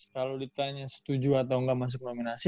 kalau ditanya setuju atau enggak masuk nominasi